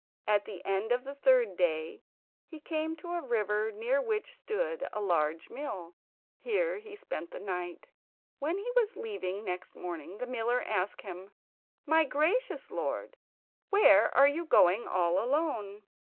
At the end of the third day he came to a river near which stood a large mill. Here he spent the night. When he was leaving next morning the miller asked him: "My gracious lord, where are you going all alone?"